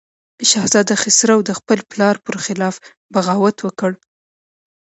شهزاده خسرو د خپل پلار پر خلاف بغاوت وکړ.